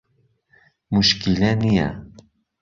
موشکیلە نیە.